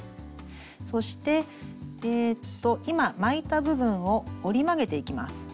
そして今巻いた部分を折り曲げていきます。